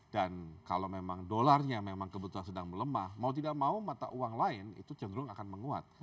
dan kalau memang dolarnya memang kebetulan sedang melemah mau tidak mau mata uang lain itu cenderung akan menguat